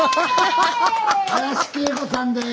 林桂子さんです。